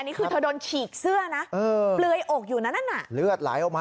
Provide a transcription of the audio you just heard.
นี่คือเธอโดนฉีกเสื้อนะเปลือยอกอยู่นะนั่นน่ะเลือดไหลออกมา